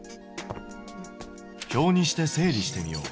表にして整理してみよう。